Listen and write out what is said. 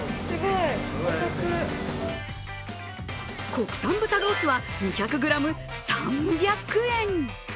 国産豚ロースは２００ｇ３００円。